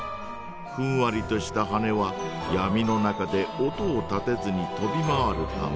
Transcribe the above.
ふんわりとしたはねはやみの中で音を立てずに飛び回るため。